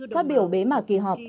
phát biểu bế mạc kỳ họp